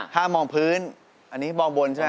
ถ้ามองพื้นอันนี้มองบนใช่ไหม